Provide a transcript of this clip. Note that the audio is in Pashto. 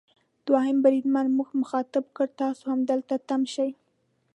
دوهم بریدمن موږ مخاطب کړ: تاسو همدلته تم شئ.